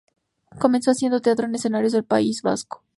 Comenzó haciendo teatro en escenarios del País Vasco.